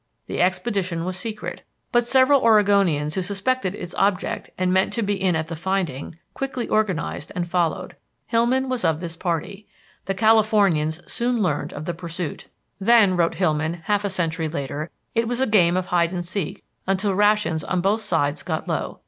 The expedition was secret, but several Oregonians who suspected its object and meant to be in at the finding, quickly organized and followed. Hillman was of this party. The Californians soon learned of the pursuit. "Then," wrote Hillman half a century later, "it was a game of hide and seek until rations on both sides got low.